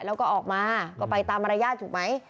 แล้วก็ออกมาก็ไปตามมารยาทถูกไหม